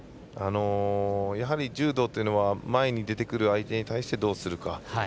やはり柔道というのは前に出てくる相手に対してどうするか。